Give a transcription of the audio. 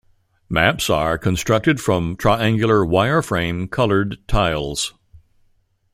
Maps are constructed from triangular wireframe colored tiles.